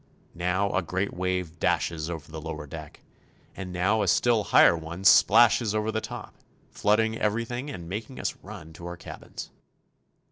Now a great wave dashes over the lower deck, and now a still higher one splashes over the top, flooding everything and making us run to our cabins.